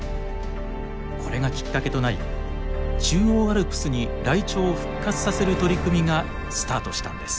これがきっかけとなり中央アルプスにライチョウを復活させる取り組みがスタートしたんです。